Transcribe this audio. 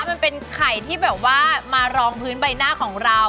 มันเป็นไข่ที่แบบว่ามารองพื้นใบหน้าของเรา